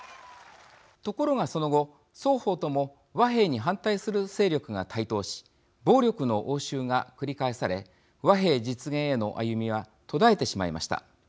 ところが、その後、双方とも和平に反対する勢力が台頭し暴力の応酬が繰り返され和平実現への歩みは途絶えてしまいました。